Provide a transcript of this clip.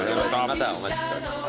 またお待ちしております。